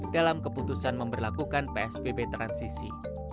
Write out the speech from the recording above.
dalam keputusan memperlakukan psbb transisi